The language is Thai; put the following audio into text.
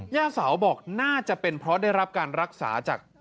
ย่าเสาบอกน่าจะเป็นเพราะได้รับการรักษาจาก